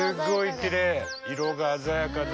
色が鮮やかで。